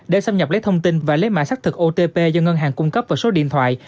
để xâm nhập lấy thông tin và lấy mạng xác thực otp do ngân hàng cung cấp vào số điện thoại